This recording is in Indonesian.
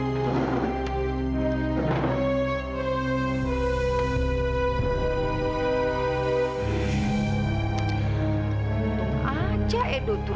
untung aja edo tuh